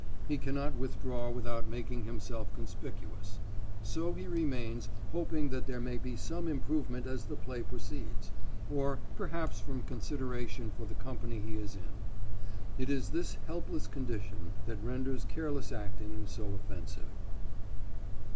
He cannot withdraw without making himself conspicuous; so he remains, hoping that there may be some improvement as the play proceeds, or perhaps from consideration for the company he is in. It is this helpless condition that renders careless acting so offensive.